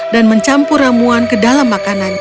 dan mencampur ramuan ke dalam makanan